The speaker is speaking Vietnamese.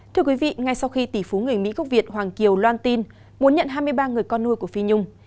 thưa quý vị ngay sau khi tỷ phú người mỹ gốc việt hoàng kiều loan tin muốn nhận hai mươi ba người con nuôi của phi nhung